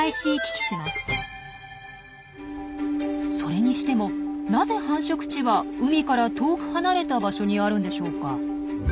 それにしてもなぜ繁殖地は海から遠く離れた場所にあるんでしょうか？